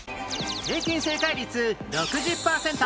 平均正解率６０パーセント